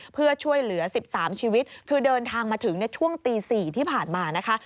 เพื่อช่วยเหลือ๑๓ชีวิตคือเดินทางมาถึงในช่วงตี๔ที่ผ่านมานะคะ